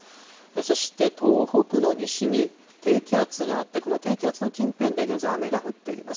そして東北の西に、低気圧があって、この低気圧の近辺で現在、雨が降っています。